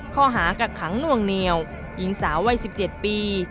ข้อหากักขังนวงเหนียวหญิงสาววัยสิบเจ็ดปี